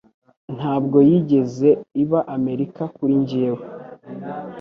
Ntabwo yigeze iba Amerika kuri njye.